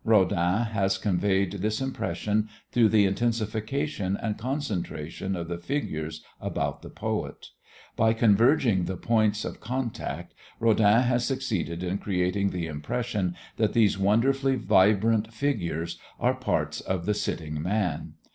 Rodin has conveyed this impression through the intensification and concentration of the figures about the poet. By converging the points of contact Rodin has succeeded in creating the impression that these wonderfully vibrant figures are parts of the sitting man.